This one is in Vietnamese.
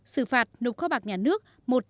sử phạt nụ khóa bạc nhà nước